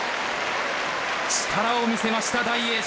力を見せました、大栄翔。